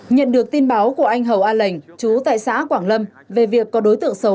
nhận được tin báo của anh hầu a lệnh chú tại xã quảng lâm về việc có đối tượng xấu